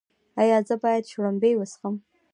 ایا زه باید شړومبې وڅښم؟